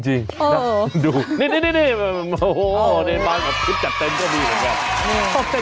จริงนี่นี่เนี่ยเดี๋ยวตามกับติ๊กจัดเต้นก็ดีออกไง